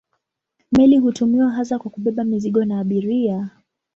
Meli hutumiwa hasa kwa kubeba mizigo na abiria.